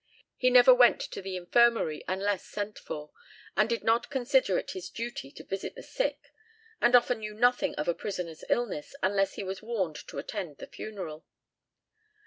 He never went to the infirmary unless sent for, and did not consider it his duty to visit the sick, and often knew nothing of a prisoner's illness unless he was warned to attend the funeral.